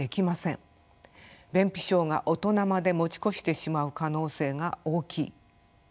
便秘症が大人まで持ち越してしまう可能性が大きい。